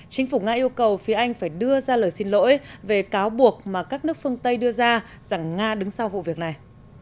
chính phủ nga yêu cầu phía anh phải đưa ra lời xin lỗi về cáo buộc mà các nước phương tây đưa ra rằng nga đứng sau vụ việc này